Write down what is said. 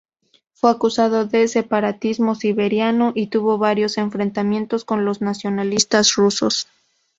Fue acusado de separatismo siberiano y tuvo varios enfrentamientos con los nacionalistas rusos.